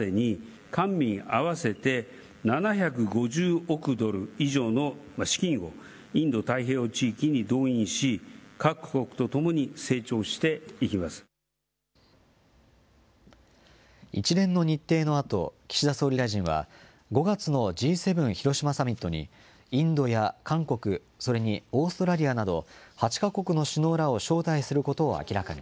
２０３０年までに官民合わせて７５０億ドル以上の資金を、インド太平洋地域に動員し、一連の日程のあと、岸田総理大臣は、５月のＧ７広島サミットに、インドや韓国、それにオーストラリアなど、８か国の首脳らを招待することを明らかに